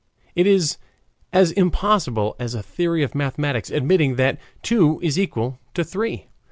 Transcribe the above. It is as impossible as a theory of mathematics admitting that two is equal to three.